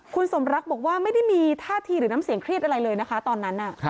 คุณสมรักบอกว่าไม่ได้มีท่าทีหรือน้ำเสียงเครียดอะไรเลยนะคะตอนนั้น